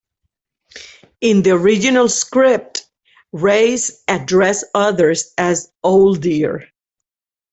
In the original script, Race addressed others as "old dear".